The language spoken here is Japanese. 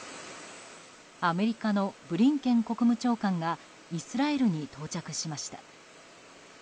アメリカのブリンケン国務長官がイスラエルに到着しました。